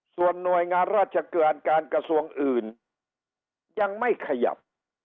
ส่วนหน่วยงานราชการกระทรวงอื่นยังไม่ขยับ